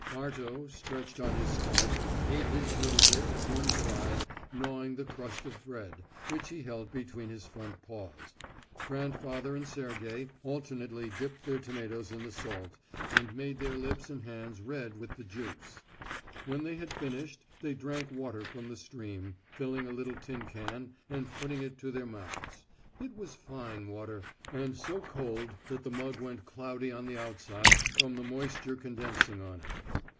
Arto, stretched on his stomach, ate his little bit at one side, gnawing the crust of bread, which he held between his front paws. Grandfather and Sergey alternately dipped their tomatoes in the salt, and made their lips and hands red with the juice. When they had finished they drank water from the stream, filling a little tin can and putting it to their mouths. It was fine water, and so cold that the mug went cloudy on the outside from the moisture condensing on it.